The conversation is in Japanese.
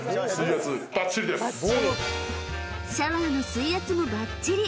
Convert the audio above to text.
［シャワーの水圧もばっちり。